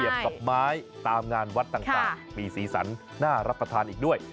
กับไม้ตามงานวัดต่างมีสีสันน่ารับประทานอีกด้วย